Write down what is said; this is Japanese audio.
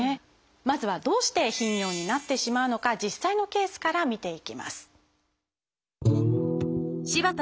まずはどうして頻尿になってしまうのか実際のケースから見ていきます。